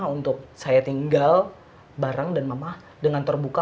untuk saya tinggal bareng dan mama dengan terbuka